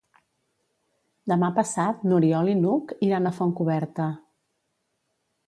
Demà passat n'Oriol i n'Hug iran a Fontcoberta.